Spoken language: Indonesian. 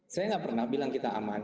saya nggak pernah bilang kita aman